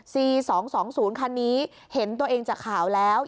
สองสองศูนย์คันนี้เห็นตัวเองจากข่าวแล้ว